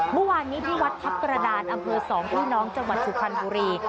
เมื่อวานนี้ที่วัดทัพกระดานอำเภอ๒พี่น้องจังหวัดสุพรรณบุรี